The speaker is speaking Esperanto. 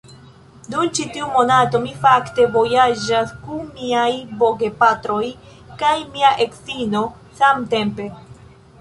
Dum ĉi tiu monato, mi fakte vojaĝas kun miaj bogepatroj kaj mia edzino samtempe